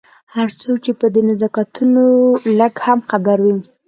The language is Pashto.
هر څوک چې په دې نزاکتونو لږ هم خبر وي.